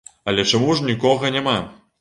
Але чаму ж нікога няма?